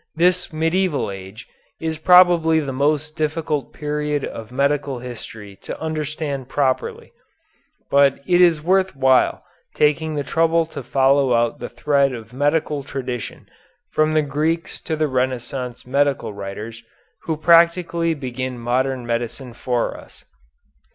This medieval age is probably the most difficult period of medical history to understand properly, but it is worth while taking the trouble to follow out the thread of medical tradition from the Greeks to the Renaissance medical writers, who practically begin modern medicine for us.